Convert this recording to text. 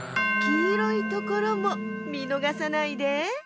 きいろいところもみのがさないで。